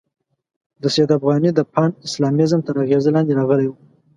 د سید افغاني د پان اسلامیزم تر اغېزې لاندې راغلی وو.